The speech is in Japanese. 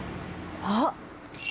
あっ！